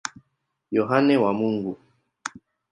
Yohane wa Mungu.